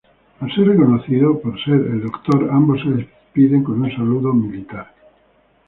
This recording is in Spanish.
Al ser reconocido por el Doctor ambos se despiden con un saludo militar.